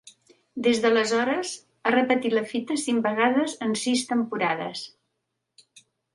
Des d’aleshores, ha repetit la fita cinc vegades en sis temporades.